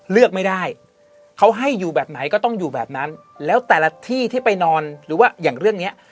เลือกไม่ได้เขาให้อยู่แบบไหนก็ต้องอยู่แบบนั้นแล้วแต่ละที่ที่ไปนอนหรือว่าอย่างเรื่องเนี้ย